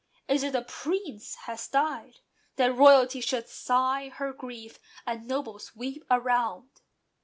Is it a Prince has died? That royalty Should sigh her grief, and nobles weep around?